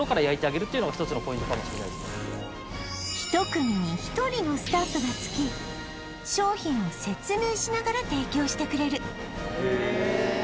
１組に１人のスタッフがつき商品を説明しながら提供してくれるへえええ